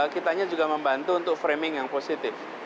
kitanya juga membantu untuk framing yang positif